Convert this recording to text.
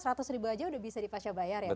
rp seratus aja udah bisa di pasca bayar ya pak ya